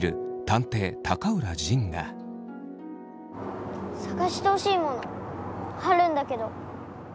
探してほしいモノあるんだけど。